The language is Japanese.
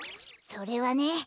それはね